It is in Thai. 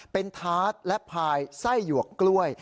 เป็นทาสและพายไส้หยวกกล้วย